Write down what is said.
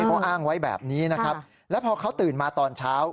เขาอ้างไว้แบบนี้นะครับแล้วพอเขาตื่นมาตอนเช้า